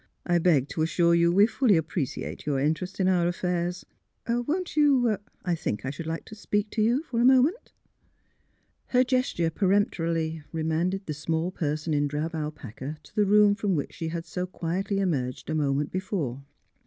I beg to assure you we fully appreciate your interest in our affairs. Won't you — I think I should like to speak to you for a moment." Her gesture peremptorily remanded the small person in drab alpaca to the room from which she had so quietly emerged a moment before.